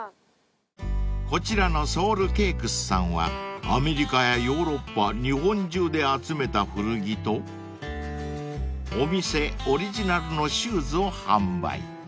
［こちらのＳｏｌｅＣａｋｅｓさんはアメリカやヨーロッパ日本中で集めた古着とお店オリジナルのシューズを販売］